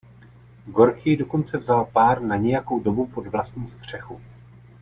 Gorkij dokonce vzal pár na nějakou dobu pod vlastní střechu.